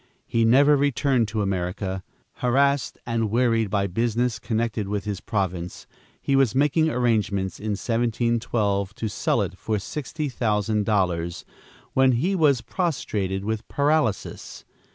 He never returned to America. Harassed and wearied by business connected with his province, he was making arrangements in 1712 to sell it for sixty thousand dollars, when he was prostrated with paralysis.